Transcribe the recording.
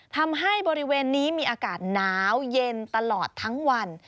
ทำให้บริเวณนี้มีอากาศหนาวเย็นตลอดทั้งวัน